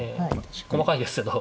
細かいですけど。